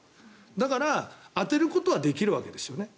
だから、当てることはできるわけですよね。